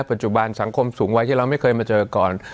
ปัจจุบันสังคมสูงวัยที่เราไม่เคยมาเจอก่อน